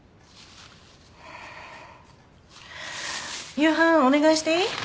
夕飯お願いしていい？